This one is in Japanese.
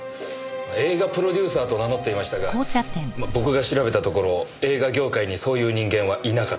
映画プロデューサーと名乗っていましたが僕が調べたところ映画業界にそういう人間はいなかった。